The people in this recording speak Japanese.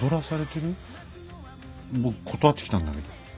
僕断ってきたんだけど。